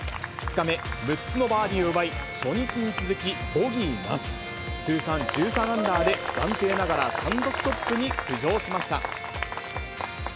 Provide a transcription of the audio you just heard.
２日目、６つのバーディーを奪い、初日に続き、ボギーなし、通算１３アンダーで、暫定ながら単独トップに浮上しました。